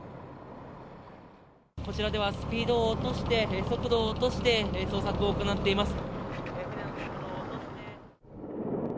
こちらでは、スピードを落として、速度を落として、捜索を行っています。